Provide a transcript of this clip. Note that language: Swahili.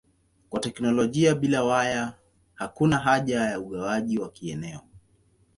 Kwa teknolojia bila waya hakuna haja ya ugawaji wa kieneo.